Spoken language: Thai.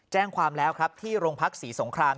แจ้งความแล้วครับที่โรงพักศรีสงคราม